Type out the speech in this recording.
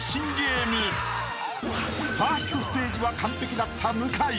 ［ファーストステージは完璧だった向井］